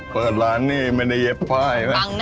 เปิดร้านนี่ไม่ได้เย็บไพ่